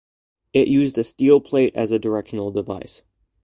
It used a steel plate as a directional device.